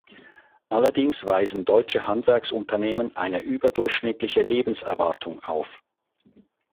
Allerdings weisen deutsche Handwerksunternehmen eine überdurchschnittliche Lebenserwartung auf.